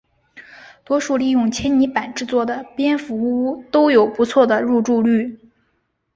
多数利用纤泥板制作的蝙蝠屋都有不错的入住率。